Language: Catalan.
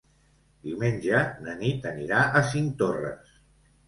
Diumenge na Nit anirà a Cinctorres.